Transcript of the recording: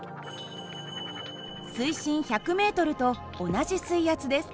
水深１００ｍと同じ水圧です。